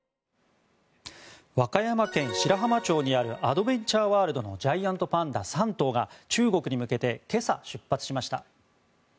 和歌山県白浜町にあるアドベンチャーワールドのジャイアントパンダ３頭が中国に向けて今朝、出発しました。